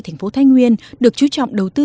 tp thái nguyên được chú trọng đầu tư